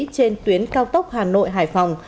trên tuyến cao tốc hà nội hải phòng